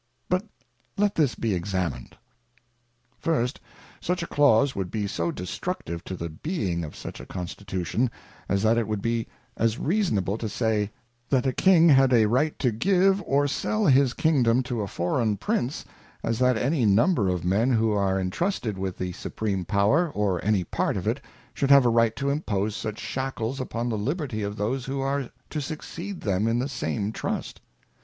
But let this be Examined. First, such a clause would be so destructive to the being of such a Constitution, as that it would be as reasonable to say, that a King had right to give or sell his Kingdom to a foreign Prince, as that any number of Men who are entrusted with the Supreme Power, or any part of it, should have a right to impose such Shackles upon the Liberty of those who are to succeed them in the same Trust.